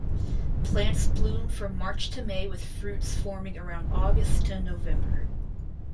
Plants bloom from March to May with fruits forming around August to November.